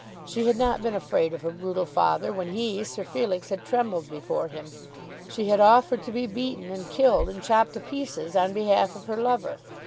She had not been afraid of her brutal father when he, Sir Felix, had trembled before him. She had offered to be beaten, and killed, and chopped to pieces on behalf of her lover.